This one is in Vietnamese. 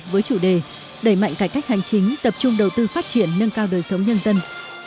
với chủ đề đẩy mạnh cải cách hành chính tập trung đầu tư phát triển nâng cao đời sống nhân dân